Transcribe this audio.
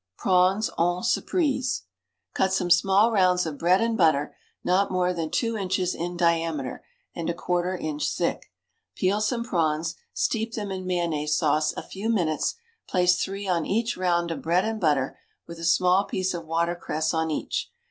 Prawns en Surprise. Cut some small rounds of bread and butter, not more than two inches in diameter and a quarter inch thick. Peel some prawns; steep them in mayonnaise sauce a few minutes; place three on each round of bread and butter, with a small piece of water cress on each.